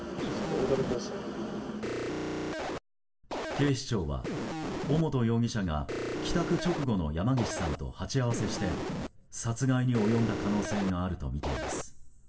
警視庁は、尾本容疑者が帰宅直後の山岸さんと鉢合わせして殺害に及んだ可能性があるとみています。